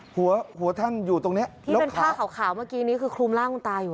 หัวท่านอยู่ตรงนี้แล้วเป็นผ้าขาวเมื่อกี้นี้คือคลุมร่างคุณตาอยู่